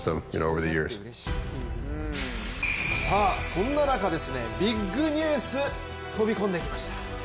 そんな中ですねビッグニュース飛び込んできました。